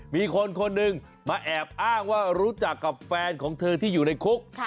มีคนคนหนึ่งมาแอบอ้างว่ารู้จักกับแฟนของเธอที่อยู่ในคุก